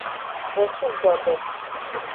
Bosu godo.